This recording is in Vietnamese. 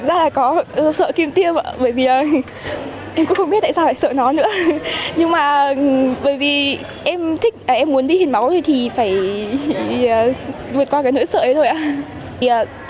em cũng không biết tại sao phải sợ nó nữa nhưng mà bởi vì em muốn đi hiến máu thì phải vượt qua cái nỗi sợ ấy thôi ạ